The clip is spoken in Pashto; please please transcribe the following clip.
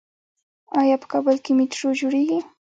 آیا په کابل کې میټرو جوړیږي؟